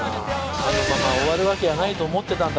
あのまま終わるわけはないと思ってたんだ